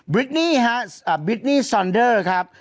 นี่ฮะบิ๊กนี่ซอนเดอร์ครับ